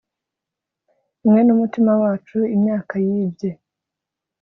Imwe numutima wacu imyaka yibye